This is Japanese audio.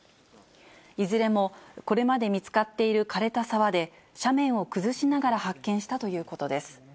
いずれもこれまで見つかっているかれた沢で、斜面を崩しながら発見したということです。